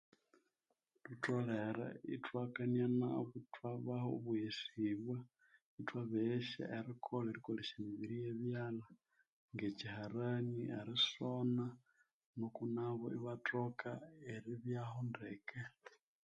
Thutholere ithwa kania nabo ithwabaha obweghesibwa ithwabaghesya erikolha erikolesya emibiri ye byalha nge kyi harani erisona nuku nabo iba thoka eribyahu ndeke